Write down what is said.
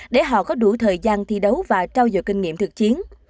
để họ có đủ thời gian thi đấu và trao dậu kinh nghiệm thực chiến